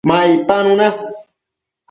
ma icpanu na